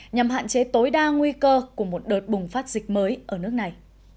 nhằm hạn chế tối đa nguy cơ của một đợt bùng phát dịch mới ở nước này